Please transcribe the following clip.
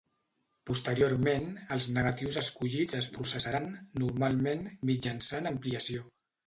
Posteriorment els negatius escollits es processaran, normalment, mitjançant ampliació.